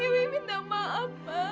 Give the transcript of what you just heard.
dewi minta maaf mbak